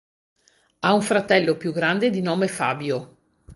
Ha un fratello più grande di nome Fabio.